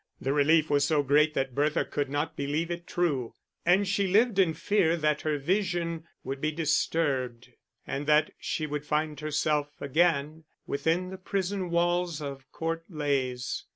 The relief was so great that Bertha could not believe it true, and she lived in fear that her vision would be disturbed, and that she would find herself again within the prison walls of Court Leys.